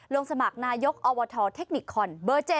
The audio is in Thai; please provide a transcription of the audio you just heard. ลงสมัครนายกอวทเทคนิคคอนเบอร์๗